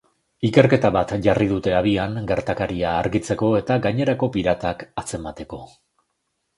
Ikerketa bat jarri dute abian gertakaria argitzeko eta gainerako piratak atzemateko.